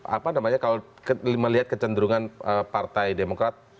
apa namanya kalau melihat kecenderungan partai demokrat